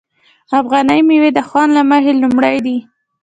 افغاني میوې د خوند له مخې لومړی دي.